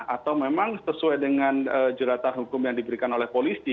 atau memang sesuai dengan juratan hukum yang diberikan oleh polisi